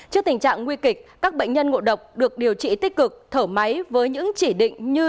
trước tình trạng nguy kịch các bệnh nhân ngộ độc được điều trị tích cực thở máy với những chỉ định như